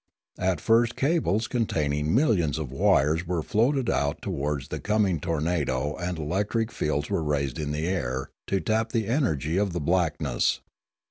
At first cables con taining millions of wires were floated out towards the coming tornado and electric fields were raised in the air to tap the energy of the blackness.